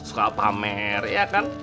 suka pamer ya kan